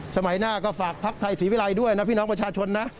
สมัยหน้าก็ฝากภักดิ์ไทยศรีวิรัยด้วยนะพี่น้องประชาชนนะ